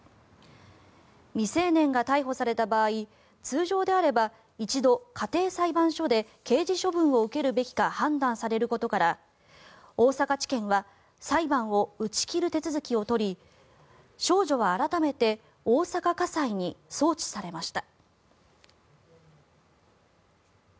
未成年が逮捕された場合通常であれば一度、家庭裁判所で刑事処分を受けるべきか判断されることから大阪地裁は裁判を打ち切る手続きを取り少女は改めて大阪家裁に送致されました。